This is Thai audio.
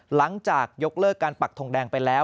หลังจากยกเลิกการปักทงแดงไปแล้ว